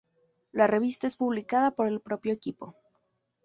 La revista es publicada por el propio equipo.